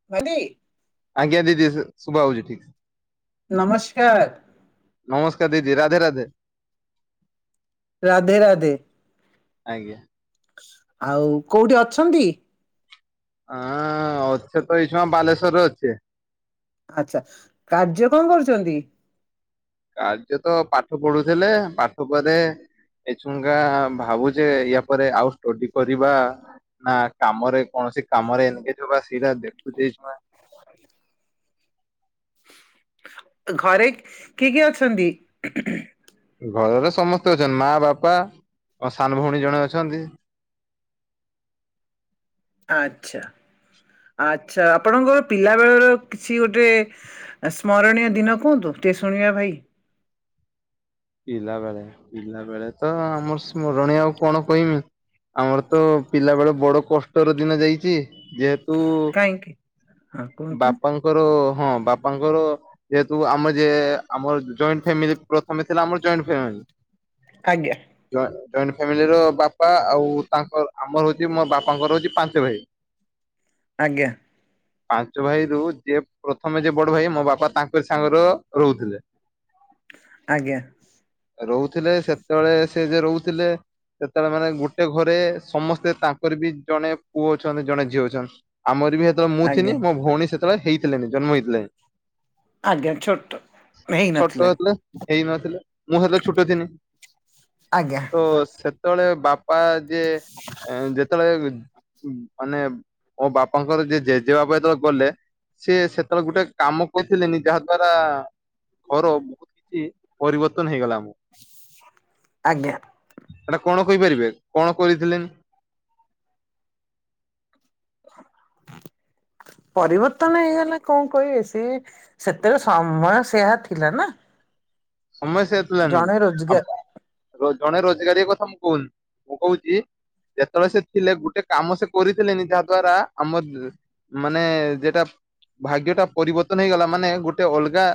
[unintelligible] ଆଜ୍ଞା ଦିଦି ଶୁା ସୁବା ହୋଉଚି ଠିକ୍ ନମସ୍କାର। ନମସ୍କାର ଦିଦି ରାଧେ ରାଧେ। ରାଧେ ରାଧେ। ଆଜ୍ଞା। ଆଉ କୋଉଠି ଅଛନ୍ତି। ଅଁ ଅଛେ ତ [unintelligible] ବାଲେଶ୍ଵରରେ ଅଛେ। ଆଚ୍ଛା କାର୍ଯ୍ୟ କଁ କରୁଚନ୍ତି। କାର୍ଯ୍ୟ ତ ପାଠ ପଢୁଥିଲେ ପାଠ ପରେ ଏ [unintelligible] ଭାବୁଛେ ୟା ପରେ ଆଉ ଷ୍ଟଡି କରିବା। ନା କାମରେ କୌଣସି କାମରେ ଏଙ୍ଗେଜ୍ ହବା ସେଇଡ଼ା ଦେଖୁଚେ। [unintelligible] ଘରେ କିଏ କିଏ ଅଛନ୍ତି। ଘରର ସମସ୍ତେ ଅଛନ୍ ମା ବାପା ମୋ ସାନ ଭୋଉଣୀ ଜଣେ ଅଛନ୍ତି। ଆଚ୍ଛା ଆଚ୍ଛା ଆପଣଙ୍କର ପିଲା ବେଳର କିଛି ଗୋଟେ ସ୍ମରଣୀୟ ଦିନ କୁହନ୍ତୁ ଟିକେ ଶୁଣିବା ଭାଇ। ପିଲା ବେଳେ ପିଲା ବେଳେ ତ ଆମର ସ୍ମରଣୀୟ ଆଉ କଣ କହିମି। ଆମର ତ ପିଲା ବେଳ ବଡ କଷ୍ଟର ଦିନ ଯାଇଚି ଯେହେତୁ କାହିଁକି। ହଁ କୁହନ୍ତୁ ବାପାଙ୍କର ହଁ ବାପାଙ୍କର ଯେହେତୁ ଆମ ଯିଏ ଆମର ଜଏଣ୍ଟେ ଫ୍ୟାମିଲ ପ୍ରଥମେ ଥିଲା ଆମର ଜଏଣ୍ଟେ ଫ୍ୟାମିଲି। ଆଜ୍ଞା ଜଅ ଜଏଣ୍ଟେ ଫ୍ୟାମିଲି ର ବାପା ଆଉ ତାଙ୍କର ଆମର ହୋଉଚି ମୋ ବାପାଙ୍କର ହୋଉଚି ପାଞ୍ଚ ଭାଇ। ଆଜ୍ଞା। ପାଞ୍ଚ ଭାଇ ରୁ ଯେ ପ୍ରଥମେ ଯେ ବଡ ଭାଇ ମୋ ବାପା ତାଙ୍କ ସାଙ୍ଗର ରହୁଥିଲେ। ଆଜ୍ଞା ରହୁଥିଲେ ସେତେବେଳେ ସେ ଯେ ରହୁଥିଲେ ସେତେବେଳେ ମାନେ ଗୋଟେ ଘରେ ସମସ୍ତେ ତାଙ୍କର ବି ଜଣେ ପୁଅ ଅଛନ୍ତି ଜଣେ ଝିଅ ଅଛନ୍ତି। ଆମର ବି ସେତେବେଳେ ମୁଁ ଆଜ୍ଞା ଥିନି ମୋ ଭଉଣୀ ସେତେବେଳେ ହେଇଥିଲେଣିି ଜନ୍ମ ହେଇଥିଲେ। ଆଜ୍ଞା ଛୋଟ। ହେଇନଥିଲେ ଛୋଟ ହେଥିଲା ହେଇ ନଥିଲେ ମୁଁ ହେତଲୋ ଛୋଟ ଥିନି। ଆଜ୍ଞା ତ ସେତେବେଳେ ବାପା ଯେ ଉଁ ଯେତେବେଳେ ମାନେ ମୋ ବାପାଙ୍କର ଯେ ଜେ ଜେ ବାପା ଯେତେବେଳେ ଗଲେ ସିଏ ସେତେବେଳେ ଗୋଟେ କାମ କରିଥିଲେନି ଯାହା ଦ୍ଵାରା ଘର [inaudible] ପରିବର୍ତ୍ତନ ହେଇଗଲା ଆମ ଆଜ୍ଞା ଏଟା କଣ କହିପାରିବେ କଣ କରିଥିଲେ? ପରିବର୍ତ୍ତନ ହେଇଗଲା କଣ କହିବେ ସେ ସେତେବେଳେ ସମୟ ସେୟା ଥିଲା ନା। ସମସ୍ୟା ହେଥିଲାଣି ଜଣେ ଆ ରୋଜଗାର ଜଣେ ରୋଜଗାରୀ କଥା ମୁଁ କହୁନି ମୁଁ କହୁଛି ଯେତେବେଳେ ସେ ଥିଲେ ଗୋଟେ କାମ ସେ କରିଥିଲେନି ଯାହା ଦ୍ଵାରା ଆମର ମାନେ ଯେଟା ଭାଗ୍ୟ ଟା ପରିବର୍ତ୍ତନ ହେଇଗଲା ମାନେ ଗୋଟେ ଅଲଗା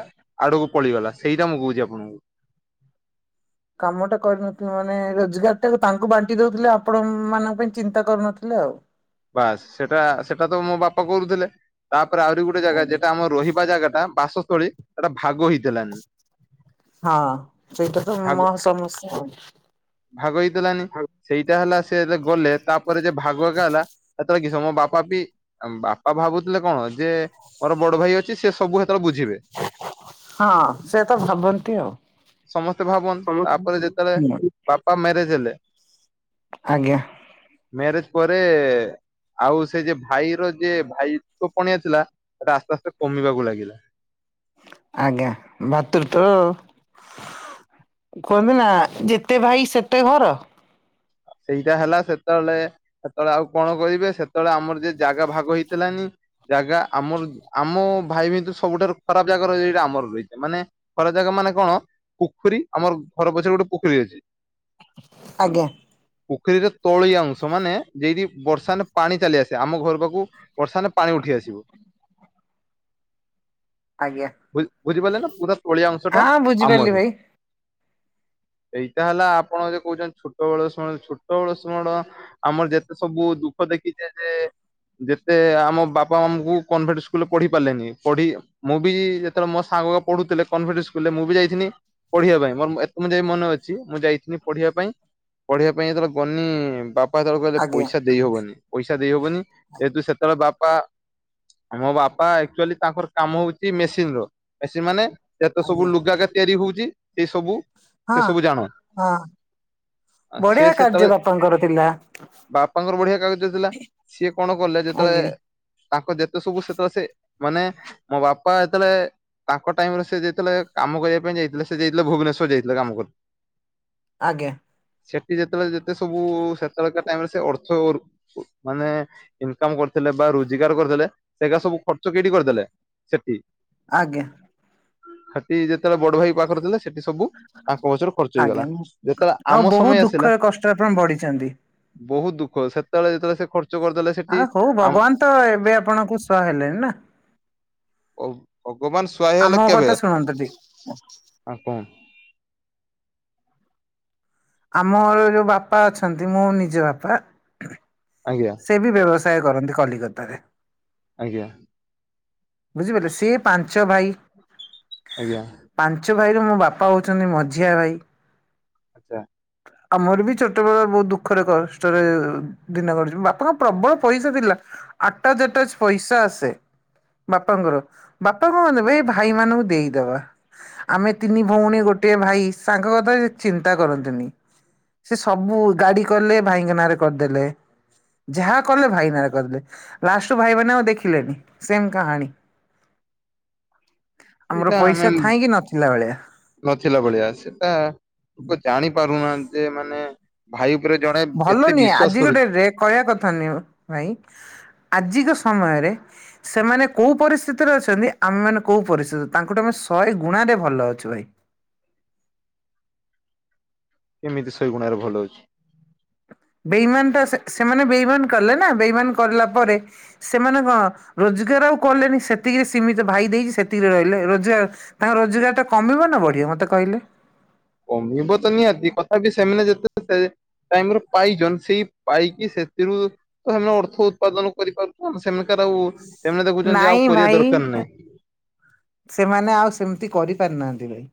ଆଡକୁ ପଳିଗଲା ସେଇଟା ମୁଁ କହୁଛି। ଆପଣଙ୍କୁ। କାମ ଟା କରିନଥିଲୁ ମାନେ ରୋଜଗାର ଟା ତାଙ୍କୁ ବାଣ୍ଟି ଦଉଥିଲେ ଆପଣ ମାନଙ୍କ ପାଇଁ ଚିନ୍ତା କରୁନଥିଲେ ଆଉ। ବାସ୍ ସେଟା ସେଟା ତ ମୋ ବାପା କରୁଥିଲେ ତାପରେ ଆହୁରି ଗୋଟେ ଗୋଟେ ଜାଗା ଆଜ୍ଞା ଯେଟା ଆମର ରହିବା ଜାଗାଟା ବାସସ୍ଥଳୀ ସେଟା ଭାଗ ହେଇଥିଲା। ହଁ ସେ ଏଇଟା ତ ଭାଗ ମ ସମସ୍ୟା ଭାଗ ହେଇଦଲାନି ସେଇଟା ହେଲା ସେ ଗଲେ ତାପରେ ଯେ ଭାଗ ଏକ ହେଲା ସେତେବେଳେ କି ସମ ମୋ ବାପା ବି ବାପା ଭାବୁଥିଲେ କଣ ଯେ ମୋର ବଡ ଭାଇ ଅଛି ସେ ସବୁ ତର ବୁଝିବେ। ହଁ ସେ ତ ଭାବନ୍ତି ଆଉ ସମସ୍ତେ ଭାବନ୍ତି ତାପରେ ଯେତେବେଳେ ସମସ୍ତ [inaudible] ବାପା ମ୍ୟାରେଜ ହେଲେ। ଆଜ୍ଞା ମ୍ୟାରେଜ ପରେ ଆଉ ସେ ଯେ ଭାଇର ଯେ ଭାଇତ୍ଵ ପଣିଆ ଥିଲା ସେଇଟା ଆସ୍ତେ ଆସ୍ତେ କମିବାକୁ ଲାଗିଲା। ଆଜ୍ଞା ଭାତୃତ୍ୱ କୁହନ୍ତି ନା ଯେତେ ଭାଇ ସେତେ ଘର। ସେଇଟା ହେଲା ସେତେବେଳେ ସେତେବେଳେ ଆଉ କଣ କରିବେ ସେତେବେଳେ ଆମର ଯେ ଜାଗା ଭାଗ ହେଇଥିଲାନି। ଜାଗା ଆମର ଆମ ଭାଇ ଭିତରୁ ସବୁଠାରୁ ଖରାପ ଜାଗା ରହିଇଟା ଆମର ରହିଛି ମାନେ ଖରାପ ଜାଗ ମାନେ କଣ ପୋଖରୀ ଆମର ଘର ପଛରେ ଗୋଟେ ପୋଖରୀ ଅଛି। ଆଜ୍ଞା। ପୋଖରୀରେ ତଳିଆ ଅଂଶ ମାନେ ଯଇଠି ବର୍ଷା ପାଣି ଚାଲିଆସେ ଆମ ଘର ପାଖକୁ ବର୍ଷା ନ ପାଣି ଉଠି ଆସିବ। ଆଜ୍ଞା ବୁ-ବୁଝିପାରିଲେ ନା ପୁରା ତୋଳିଆ ଅଂଶ ଟା ହଁ ବୁଝିପାରିଲି ଆମରି ଭାଇ ଏଇଟା ହେଲା ଆପଣ ଯଦି କହୁଛନ୍ତି ଛ ଛୋଟବେଳ ଛୋଟବେଳ ଶୁଆଳ ଆମର ଯେତେ ସବୁ ଦୁଃଖ ଦେଖିଛେ ଯେ ଯେତେ ଆମ ବାପା ମମଙ୍କୁ କନଭେଣ୍ଟ ସ୍କୁଲରେ ପଢି ପାରିଲେନି ପଢି ମୁଁ ବି ଯେତେବେଳେ ମୋ ସାଙ୍ଗଗକା ପଢୁଥିଲେ କନଭେଟ ସ୍କୁଲରେ ମୁଁ ବି ଯାଇଥିନି। ପଢିବା ପାଇଁ ମୋର ଏତେ ମୁଁ ଯାଇ ମନ ଅଛି ମୁଁ ଯାଇଥିନି ପଢିବା ପାଇଁ ପଢିବା ପାଇଁ ଯେତେବେଳେ ଗନି ବାପା ଯେତେବେଳେ କହିଲେ ଆଜ୍ଞା ପଇସା ଦେ ଦେଇ ହବନି ପଇସା ଦେଇ ହବନି, ଯେହେତୁ ସେତେବେଳେ ବାପା ଆମ ବାପା ଆକଚୁଆଲି ତାଙ୍କର କାମ ହଉଚି ମେସିନ ର ମେସିନ ମାନେ ସେ ତ ଆଜ୍ଞା ସବୁ ଲୁଗା କା ତିଆରି ହଉଛି ଏ ସବୁ ହଁ ସେ ସବୁ ଜାଣ ହଁ ସେ ବଢିଆ ସେତେବେଳେ କାର୍ଯ୍ୟ ବାପାଙ୍କର ଥିଲା। ବାପାଙ୍କର ବଢିଆ କାଗଜ ଥିଲା, ସିଏ କଣ କଲେ ଯେତେବେଳେ ଆଜ୍ଞା ତାଙ୍କ ଯେତେ ସବୁ ସେତେବେଳେ ସେ ମାନେ ମୋ ବାପା ଯେତେବେଳେ ତାଙ୍କ ଟାଇମରେ ସେ ଯାଇଥିଲେ କାମ କରିବା ପାଇଁ ଯାଇଥିଲେ ସେ ଯାଇଥିଲେ ଭୁବନେଶ୍ୱର ଯାଇଥିଲେ କାମ କ ଆଜ୍ଞା। ସେଠି ଯେତେବେଳେ ଯେତେ ସବୁ ସେତେବେଳକା ଟାଇମ ରେ ସେ ଅର୍ଥ ଓରୁ ମାନେ ଇନକମ କରିଥିଲେ ବା ରୋଜଗାର କରିଥିଲେ ସେଗା ସବୁ ଖର୍ଚ୍ଚ କେଇଟି କରିଦେଲେ? ସେଠି ଆଜ୍ଞା। ସେଠି ଯେତେବେଳେ ବଡ ଭାଇ ପାଖରେ ଥିଲେ ସେଠି ସବୁ ତାଙ୍କ ପଛରେ ଖର୍ଚ୍ଚ ହେଇଗଲା ଆଜ୍ଞା ଯେତେବେଳେ ଆମ ଆଉ ସମୟ ବୋହୁତ ଆସିଲା ଦୁଃଖରେ କଷ୍ଟ ଆପଣ ବଢିଛନ୍ତି। ବହୁତ ଦୁଃଖ, ସେତେବେଳେ ଯେତେବେଳେ ସେ ଖର୍ଚ୍ଚ କରିଦେଲେ ସେ ଆ ହଉ ଭଗବାନ ତ ଏବେ ଆପଣଙ୍କୁ ସହା ହେଲେଣିି ନା ଭଗବାନ ସହାୟ ଆମ କଥା ଶୁଣନ୍ତୁ ଟି ହଁ କଣ? ଆମ ଘରେ ଯଉ ବାପା ଅଛନ୍ତି, ମୋ ନିଜ ବାପା। ଆଜ୍ଞା। ସେ ବି ବ୍ୟବସାୟ କରନ୍ତି କଲିକତାରେ। ଆଜ୍ଞା। ବୁଝିପାରିଲେ ସିଏ ପାଞ୍ଚ ଭାଇ। ଆଜ୍ଞା। ପାଞ୍ଚ ଭାଇର ମୋ ବାପା ହଉଛନ୍ତି ମଝିଆ ଭାଇ। ଆଚ୍ଛା। ଆମର ବି ଛୋଟବେଳ ବହୁତ ଦୁଃଖରେ କଷ୍ଟରେ ଦିନ କଟିଚି, ବାପାଙ୍କ ପ୍ରବଳ ପଇସା ଥିଲା। ଆଟାଜ୍ ଆଟାଜ୍ ପଇସା ଆସେ। ବାପାଙ୍କର, ବାପା ଙ୍କ ନେବେ ଏ ଭାଇ ମାନଙ୍କୁ ଦେଇଦବା। ଆମେ ତିନି ଭଉଣୀ ଗୋଟିଏ ଭାଇ ସାଙ୍ଗ କଥା ସେ ଚିନ୍ତା କରନ୍ତିନି। ସେ ସବୁ ଗାଡି କଲେ ଭାଇଙ୍କ ନାଁରେ କରିଦେଲେ। ଯାହା କଲେ ଭାଇ ନାଁରେ କରିଲେ, ଲାଷ୍ଟକୁ ଭାଇମାନେ ଆଉ ଦେଖିଲେନି, ସେମ କାହାଣୀ। [inaudible] ଆମର ଏଇଟା ଆମେ ପଇସା ଥାଇଁ କିି ନଥିଲା ଭଳିଆ। ନଥିଲା ଭଳିଆ ସେଟା ଲୋକ ଜାଣି ପାରୁନାହାନ୍ତି ମାନେ ଭାଇ ଉପରେ ଜଣେ ଭଲ ଏତେ ନୁହେଁ ଆଜି ବିଶ୍ଵାସ ଗୋଟେ କରୁଚି ରେ କହିବା କଥା ନୁହେଁ ଭାଇ, ଆଜିକା ସମୟରେ ସେମାନେ କୋଉ ପରିସ୍ଥିତିରେ ଅଛନ୍ତି ଆମେମାନେ କୋଉ ପରିସ୍ଥିତି, ତାଙ୍କଠୁ ଆମେ ଶହେ ଗୁଣା ରେ ଭଲ ଅଛୁ ଭାଇ। କେମିତି ଶହେ ଗୁଣାରେ ଭଲ ଅଛି? ବେଇମାନ ଟା ସେ ସେମାନେ ବେଇମାନ କଲେ ନା ବେଇମାନ କରିଲା ପରେ ସେମାନେ କଣ ରୋଜଗାର ଆଉ କଲେନି, ସେତିକିରେ ସୀମିତ ଭାଇ ଦେଇଚି ସେତିକିରେ ରହିଲେ ରୋଜଗାର ତାଙ୍କ ରୋଜଗାରଟା କମିବ ନା ବଢିିବ ମତେ କହିଲେ? କମିବ ତ ନିହାତି କଥାପି ସେମାନେ ଯେତେ ସେ ଟାଇମ ର ପାଇଚନ ସେଇ ପାଇକି ସେଥିରୁ ତ ସେମାନେ ଅର୍ଥ ଉତ୍ପାଦନ କରିପାରୁଛନ୍ତି, ସେମିଙ୍କାର ଆଉ ସେମାନେ ଦେଖୁଛନ୍ତି ଆଉ ନାଇଁ କରିଆ ଭାଇ ଦରକାର ନାହିଁ। ସେମାନେ ଆଉ ସେମିତି କରିପାରିନାହାନ୍ତି ଭାଇ।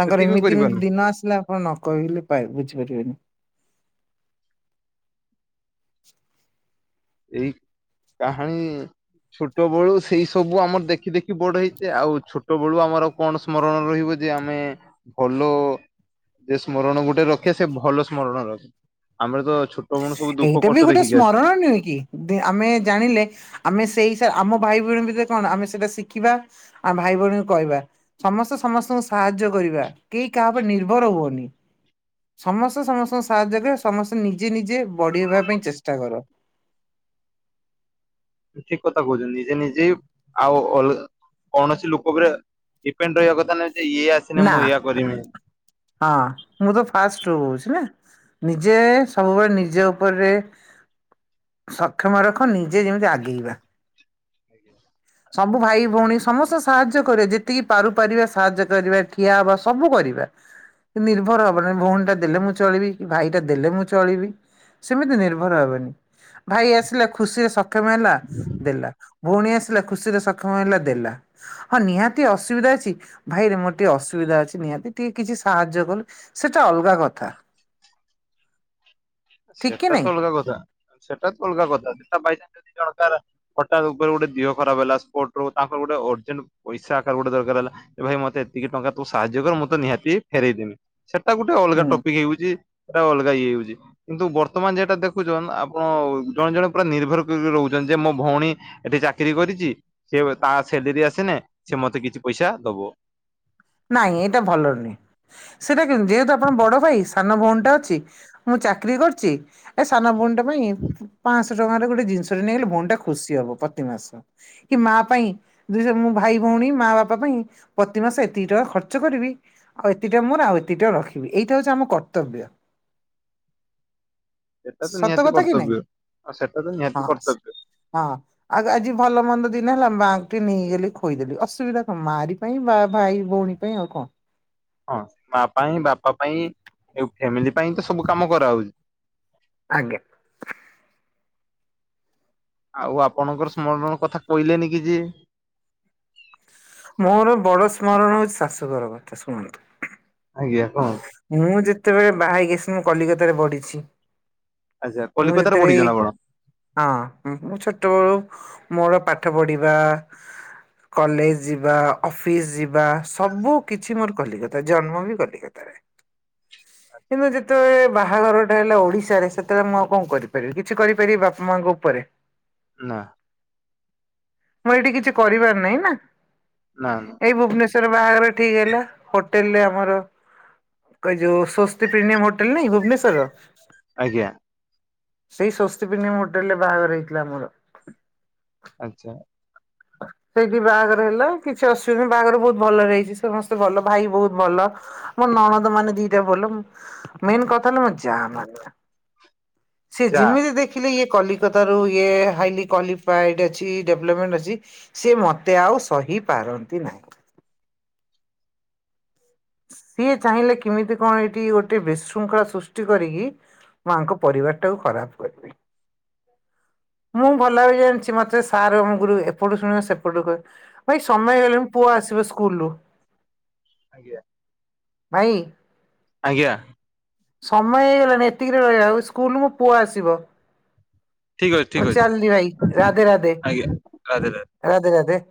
ତାଙ୍କର ସେତିକି ବି ଏମିତି ଏମିତି କରିପାରୁନୁ ଦିନ ଆସିଲା, ଆପଣ ନ କହିଲେ ପା ବୁଝିପାରିବେନି। ଏଇ କାହାଣୀ ଛୋଟ ବେଳୁ ସେଇ ସବୁ ଆମର ଦେଖି ଦେଖି ବଡ ହେଇଛେ ଆଉ ଛୋଟ ବେଳୁ ଆମର କଣ ସ୍ମରଣ ରହିବ ଯେ? ଆମେ ଭଲ ଯେ ସ୍ମରଣ ଗୋଟେ ରଖିବା ସେ ଭଲ ସ୍ମରଣ ରଖେ ଆମର ତ ଛ ଏଇଟା ବି ଗୋଟେ ସ୍ମରଣ ନୁହେଁ କି? ଦି ଆମେ ଜାଣିଲେ ଆମେ ସେଇ ସା ଆମ ଭାଇ ଭଉଣୀ ଭିତରେ କଣ ଆମେ ସେଇଟା ଶିଖିବା। ଆମ ଭାଇ ଭଉଣୀଙ୍କୁ କହିବା। ସମସ୍ତେ ସମସ୍ତଙ୍କୁ ସାହାଯ୍ୟ କରିବା କେଇ କାହା ଉପରେ ନିର୍ଭର ହୁଅନି। ସମସ୍ତେ ସମସ୍ତଙ୍କୁ ସାହାଯ୍ୟ କର ସମସ୍ତେ ନିଜେ ନିଜେ ବଢିବା ପାଇଁ ଚେଷ୍ଟା କର। ଠିକ୍ କଥା କହୁଛନ୍ତି ନିଜେ ନିଜେ ଆଉ ଅଲଗା କୌଣସି ଲୋକ ଉପରେ ଡିପେଣ୍ଡ ରହିବା କଥା ନାହିଁ ଯେ ଇଏ ଆସିନେ ନା ମୁଁ ଏଇଆ କରିମି। ହଁ ମୁଁ ତ ଫାଷ୍ଟରୁ କହୁଚି ନା। ନିଜେ ସବୁବେଳେ ନିଜ ଉପରେ ସକ୍ଷମ ରଖ ନିଜେ ଯେମିତି ଆଗେଇବା। [inaudible] ସବୁ ଭାଇ ଭଉଣୀ ସମସ୍ତଙ୍କୁ ସାହାଯ୍ୟ କରି ଯେତିକି ପାରୁ ପାରିବା ସାହାଯ୍ୟ କରିବା ଠିଆ ହବା ସବୁ କରିବା। ନିର୍ଭର ହବନି ଭଉଣୀଟା ଦେଲେ ମୁଁ ଚଳିବି କି ଭାଇଟା ଦେଲେ ମୁଁ ଚଳିବି। ସେମିତି ନିର୍ଭର ହେବେନି ଭାଇ ଆସିଲା ଖୁସିରେ ସ କ୍ଷମ ହେଲା ଦେଲା ଭଉଣୀ ଆସିଲା ଖୁସିରେ ସକ୍ଷମ ହେଲା ଦେଲା। ହଁ ନିହାତି ଅସୁବିଧା ଅଛି ଭାଇରେ ମୋର ଟିକେ ଅସୁବିଧା ଅଛି ନିହାତି ଟିକେ କିଛି ସାହାଯ୍ୟ କଲୁ। ସେଟା ଅଲଗା କଥା। ଠିକ କି ସେଟା ତ ନାଇଁ? ଅଲଗା କଥା ସେଟା ତ ଅଲଗା କଥା ସେଟା ବାଇଚାନ୍ସ ଯଦି ଜଣକର କଟାତ୍ ଉପେରେ ଗୋଟେ ଦିହ ଖରାପ ହେଲା ସ୍ପଟରୁ ତାଙ୍କ ଗୋଟେ ଅର୍ଜେଣ୍ଟ ପଇସା ଆକାର ଗୋଟେ ଦରକାର ହେଲା। ଏ ଭାଇ ମତେ ଏତିକି ଟଙ୍କା ତୁ ସାହାଯ୍ୟ କର ମୁଁ ତ ନିହାତି ଫେରେଇ ଦେମି। ସେଟା ଗୁଟେ ଅଲଗା ହୁଁ। ଟପିକ୍ ହେଉଚି ସେଟା ଅଲଗା ଇଏ ହେଉଚି। କିନ୍ତୁ ବର୍ତ୍ତମାନ ଯେଟା ଦେଖୁଚନ୍ ଆପଣ ଜଣେ ଜଣେ ପୁରା ନିର୍ଭର କରିକି ରହୁଚନ୍ ଯେ ମୋ ଭଉଣୀ ଏଠେ ଚାକିରି କରିଚି ସିଏ ବ ତା ସେଲେରୀ ଆସିନେ ସିଏ ମତେ କିଛି ପଇସା ଦବ। ନାଇଁ ଏଇଟା ଭଲ ନିଏଁ ସେଟା କେମ୍ ଯେହେତୁ ଆପଣ ବଡ ଭାଇ ସାନ ଭଉଣୀଟା ଅଛି ମୁଁ ଚାକରି କରିଚି ଏ ସାନ ଭଉଣୀଟା ପାଇଁ ପାଂଶ୍ ଟଙ୍କାରେ ଗୋଟେ ଜିନିଷଟେ ନେଇଗଲେ ଭଉଣୀଟା ଖୁସି ହବ ପ୍ରତି ମାସ। କି ମା ପାଇଁ ଦୁହେଁ ମୁଁ ଭାଇ ଭଉଣୀ ମା ବାପା ପାଇଁ ପ୍ରତିମାସେ ଏତିିକି ଟଙ୍କା ଖର୍ଚ୍ଚ କରିବି ଆଉ ଏତିକି ଟଙ୍କା ମୋର ଆଉ ଏତିକ ଟଙ୍କା ରଖିବି ଏଇଟା ହଉଚି ଆମ କର୍ତ୍ତବ୍ୟ। ଏଟା ତ ସତ ନିହାତି କଥା କି ନାଇଁ କର୍ତ୍ତବ୍ୟ ଆଉ ସେଟା ତ ହଁ ନିହାତି କର୍ତ୍ତବ୍ୟ। ହଁ ଆଉ ଆଜି ଭଲ ମନ୍ଦ ଦିନ ହେଲା ମାଆଙ୍କି ନେଇଗଲି ଖୋଇଦେଲି ଅସୁବିଧା କଣ ମାରି ପାଇଁ ବା ଭାଇ ଭଉଣୀ ପାଇଁ ଆଉ କଁ। ଅଁ ସେଇ ମା ପାଇଁ ବାପା ପାଇଁ ଏଉ ଫ୍ୟାମିଲି ପାଇଁ ତ ସବୁ କାମ କରାହଉଚି। ଆଜ୍ଞା। ଆଉ ଆପଣଙ୍କର ସ୍ମରଣ କଥା କଇଲେନି କି ଯେ। ମୋର ବଡ ସ୍ମରଣ ହଉଚି ଶାଶୁଘର କଥା ଶୁଣନ୍ତୁ। ଆଜ୍ଞା କଁ? ମୁଁ ଯେତେବେଳେ ବାହା ହେଇକି ଆସେ ମୁଁ କଲିକତାରେ ବଡିଛି। ଆଚ୍ଛା ମୁଁ କଲିକତାରେ ଯେତେବେଳେ ପଢିଛନ୍ତି ଆପଣ? ହଁ ମୁଁ ମୁଁ ଛୋଟବେଳୁ ମୋର ପାଠ ପଢିବା କଲେଜ୍ ଯିବା ଅଫିସ୍ ଯିବା ସବୁ କିଛି ମୋର କଲିକତା ଜନ୍ମ ବି କଲି କିନ୍ତୁ ଯେତେବେଳେ ବାହାଘରଟା ହେଲା ଓଡିଶାରେ ସେତେବେଳେ ମୁଁ ଆଉ କଁ କରିପାରିବି କିଛି କରିପାରିବି ବାପ ମାଙ୍କ ଉପରେ। ନା। ମୁଁ ଏଇଠି କିଛି କରିବାର ନାହିଁ ନା। ନା ନା। ଏଇ ଭୁବନେଶ୍ବରରେ ବାହାଘର ଠିକ୍ ହେଲା ହୋଟେଲରେ ଆମର କ ଯୋଉ ସ୍ବସ୍ତି ପ୍ରିମିୟମ୍ ହୋଟେଲ ନାଇଁ ଭୁବନେଶ୍ଵରର ଆଜ୍ଞା। ସେଇ ସ୍ଵସ୍ତି ପ୍ରମିୟମ୍ ହୋଟେଲରେ ବାହାଘର ହେଇଥିଲା ମୋର। ଆଁଚା। ଆ ସେଇଠି ବାହାଘର ହେଲା କିଛି ଅସୁବିଧା ବାହାଘର ବହୁତ ଭଲରେ ହେଇଛି ସମସ୍ତେ ଭଲ ଭାଇ ବହୁତ ଭଲ। ମୋ ନଣଦ ମାନେ ଦିଟା ବୋଲ ମେନ କଥା ହେ ମ ଯା ମାନେ ସେ ଯା ଯେମିତି ଦେଖିଲେ ଇଏ କଲିକତା ରୁ ଇଏ ହାଇଲି କ୍ଵାଲିଫଏଡ ଅଛି। ଡେଭଲପମେଣ୍ଟ ଅଛି ସି ମତେ ଆଉ ସହି ପାରନ୍ତି ନାହିଁ। ସିଏ ଚାହିଁଲେ କେମିତି କଣ ଏଇଠି ଗୋଟେ ବିଶୃଙ୍ଖଳା ସୃଷ୍ଟି କରିକି ମୁଁ ଆଙ୍କ ପରିବାର ଟାକୁ ଖରାପ କରି ମୁଁ ଭଲ ବି ଜାଣିଛି ମତେ ସାର୍ମଗୁରୁ ଏପଟୁ ଶୁଣ ସେପଟୁ କହ ଭାଇ ସମୟ ହେଇଗଲେଣି ପୁଅ ଆସିବ ସ୍କୁଲ ରୁ। ଆଜ୍ଞା। ଭାଇ ଆଜ୍ଞା। ସମୟ ହେଇଗଲାଣି ଏତିକି ରେ ରହିବ ଆଉ ସ୍କୁଲରୁୁ ମୋ ପୁଅ ଆସିବ। ଠିକ ଅଛି ମୁଁ ଠିକ ଅଛି ଚାଲଲି ଭାଇ ରାଧେ ରାଧେ ଆଜ୍ଞା ରାଧେ ରାଧେ। ରାଧେ ରାଧେ।